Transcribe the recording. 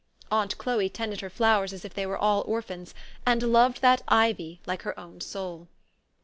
Aunt Chloe tended her flowers as if they were all orphans, and loved that ivy like her own soul.